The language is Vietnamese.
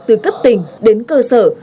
từ cấp tỉnh đến cơ sở